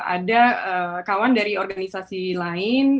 ada kawan dari organisasi lain